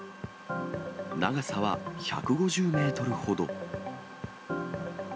長さは１５０メートルほど。